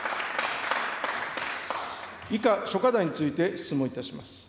以下、諸課題について質問いたします。